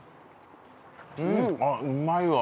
あっうまいわ。